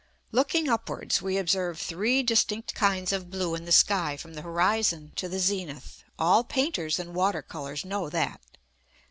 Looking upwards, we observe three distinct kinds of blue in the sky from the horizon to the zenith. All painters in water colours know that.